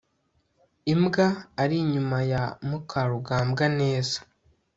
imbwa ari inyuma ya mukarugambwa neza